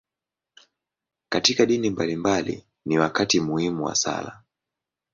Katika dini mbalimbali, ni wakati muhimu wa sala.